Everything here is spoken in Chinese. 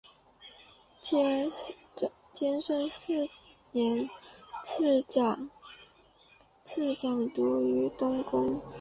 天顺四年侍讲读于东宫。